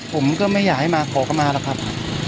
ผมก็ไม่อยากให้มาขอเข้ามาหรอกครับ